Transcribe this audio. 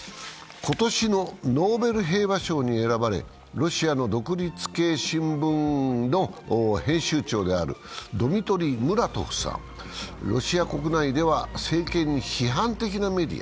今年のノーベル平和賞に選ばれ、ロシアの独立系新聞の編集長であるドミトリー・ムラトフさん、ロシア国内では政権に批判的なメディア。